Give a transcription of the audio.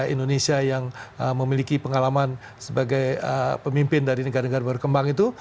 indonesia yang memiliki pengalaman sebagai pemimpin dari negara negara berkembang itu